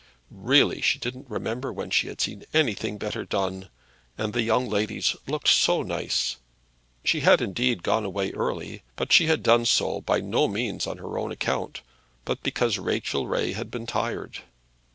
Really she didn't remember when she had seen anything better done; and the young ladies looked so nice. She had indeed gone away early; but she had done so by no means on her own account, but because Rachel Ray had been tired.